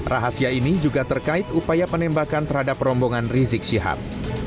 rahasia ini juga terkait upaya penembakan terhadap rombongan rizik syihab